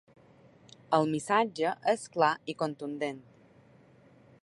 El missatge és clar i contundent.